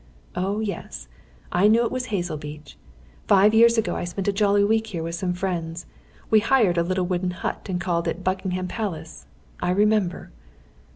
Oh, yes, I knew it was Hazelbeach! Five years ago I spent a jolly week here with some friends. We hired a little wooden hut and called it 'Buckingham Palace,' I remember."